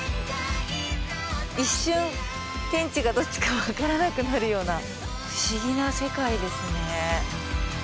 一瞬天地がどっちか分からなくなるような不思議な世界ですね。